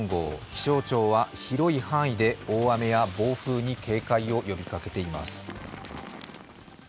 気象庁は広い範囲で大雨や暴風に警戒を呼びかけています。